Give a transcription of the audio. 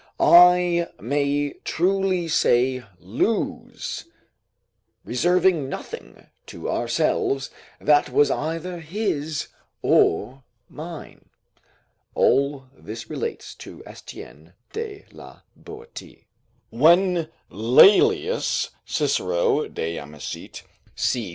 I may truly say lose, reserving nothing to ourselves that was either his or mine. [All this relates to Estienne de la Boetie.] When Laelius, [Cicero, De Amicit., c. II.